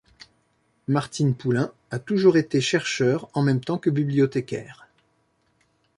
Martine Poulain a toujours été chercheur en même temps que bibliothécaire.